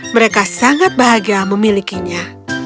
mereka sangat bahagia memilikinya